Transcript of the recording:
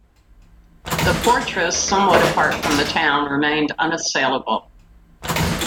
The fortress, somewhat apart from the town, remained unassailable.